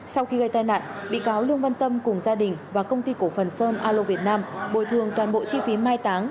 sau khi gây tai nạn bị cáo lương văn tâm cùng gia đình và công ty cổ phần sơn alo việt nam bồi thường toàn bộ chi phí mai táng